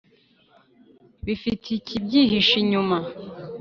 bifite ikibyihishe inyuma.